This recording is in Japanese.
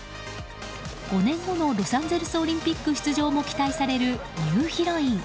５年後のロサンゼルスオリンピック出場も期待されるニューヒロイン。